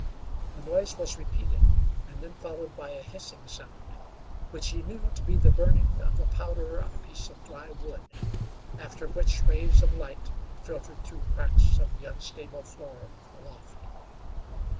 The noise was repeated, and then followed by a hissing sound, which he knew to be the burning of a powder on a piece of dry wood, after which rays of light filtered through cracks of the unstable floor of the loft.